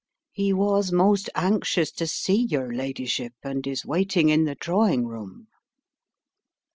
"He was most anxious to see your ladyship and is waiting in the drawing room."